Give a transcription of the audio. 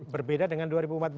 berbeda dengan dua ribu empat belas